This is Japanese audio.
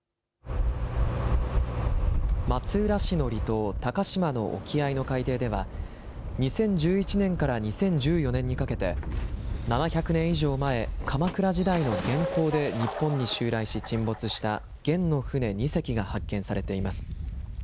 松浦市の離島、鷹島の沖合の海底では、２０１１年から２０１４年にかけて、７００年以上前、鎌倉時代の元寇で日本に襲来し、沈没した元の船２隻が発見されています。